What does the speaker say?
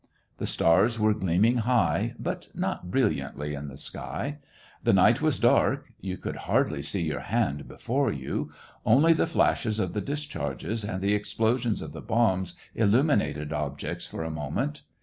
The stars were gleaming high, but not brilliantly in the sky. The night was dark — you could hardly see your hand before you ; only the flashes of the discharges and the explosions of the bombs illuminated objects for a moment.